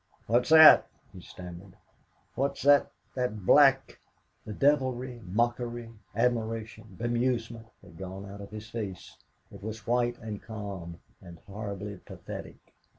"What's that?" he stammered. "What's that that black ?" The devilry, mockery, admiration, bemusement, had gone out of his face; it was white and calm, and horribly pathetic.